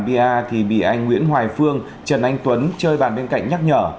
bia thì bị anh nguyễn hoài phương trần anh tuấn chơi bàn bên cạnh nhắc nhở